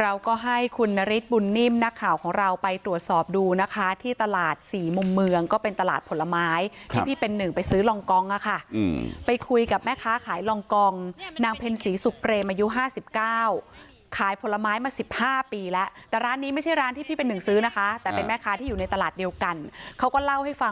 เราก็ให้คุณนฤทธิบุญนิ่มนักข่าวของเราไปตรวจสอบดูนะคะที่ตลาดสี่มุมเมืองก็เป็นตลาดผลไม้ที่พี่เป็นหนึ่งไปซื้อรองกองอะค่ะไปคุยกับแม่ค้าขายรองกองนางเพ็ญศรีสุเปรมอายุห้าสิบเก้าขายผลไม้มาสิบห้าปีแล้วแต่ร้านนี้ไม่ใช่ร้านที่พี่เป็นหนึ่งซื้อนะคะแต่เป็นแม่ค้าที่อยู่ในตลาดเดียวกันเขาก็เล่าให้ฟัง